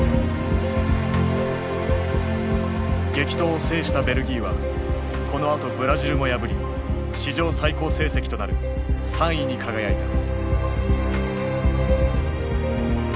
激闘を制したベルギーはこのあとブラジルも破り史上最高成績となる３位に輝いた。